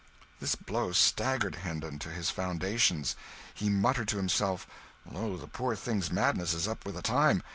This blow staggered Hendon to his foundations. He muttered to himself, "Lo, the poor thing's madness is up with the time!